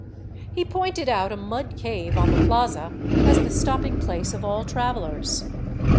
He pointed out a mud cave on the plaza as the stopping place of all travelers.